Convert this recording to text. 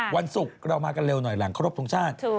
วันศุกร์เรามากันเร็วหน่อยหลังครบทรงชาติ